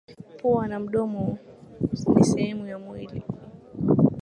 Pua na mdomo ni sehemu ya mwili.